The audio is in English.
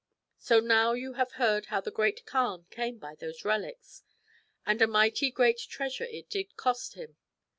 "' So now you have heard how the Great Kaan came by those reliques ; and a mighty great treasure it did cost him